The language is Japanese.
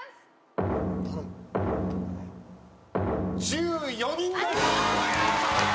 １４人です。